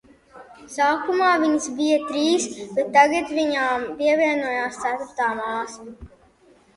Sākumā viņas bija trīs, bet tagad viņām pievienojās ceturtā māsa.